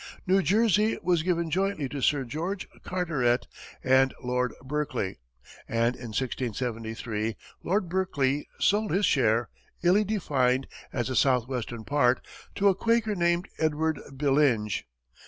New Jersey was given jointly to Sir George Carteret and Lord Berkeley, and in 1673, Lord Berkeley sold his share, illy defined as the "southwestern part," to a Quaker named Edward Byllinge.